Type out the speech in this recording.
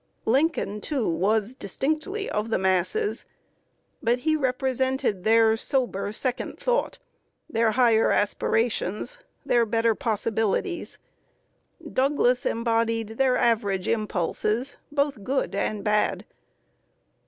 Lincoln, too, was distinctively of the masses; but he represented their sober, second thought, their higher aspirations, their better possibilities. Douglas embodied their average impulses, both good and bad.